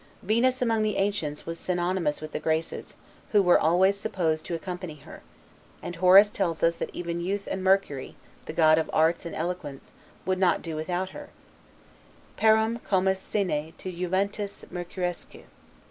Venus, among the ancients, was synonymous with the Graces, who were always supposed to accompany her; and Horace tells us that even Youth and Mercury, the god of Arts and Eloquence, would not do without her: 'Parum comis sine to Juventas Mercuriusque.